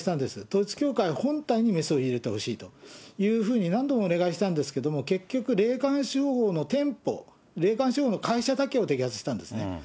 統一教会本体にメスを入れてほしいというふうに何度もお願いしたんですけれども、結局霊感商法の店舗、霊感商法の会社だけを摘発したんですね。